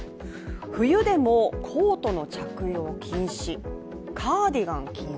冬でもコートの着用禁止カーディガン禁止。